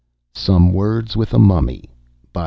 SOME WORDS WITH A MUMMY.